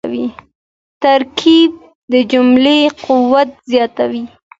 ترکیب د جملې قوت زیاتوي.